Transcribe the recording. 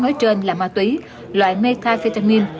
nói trên là ma túy loại metafetamin